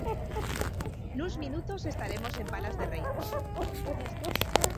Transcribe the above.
Nuns minutos estaremos en Palas de Rei.